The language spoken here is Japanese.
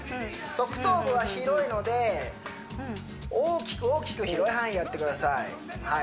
側頭部は広いので大きく大きく広い範囲やってください